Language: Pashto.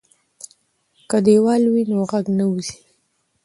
که دیوال وي نو غږ نه وځي.